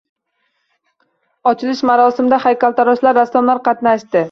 Ochilish marosimida haykaltaroshlar, rassomlar qatnashdi.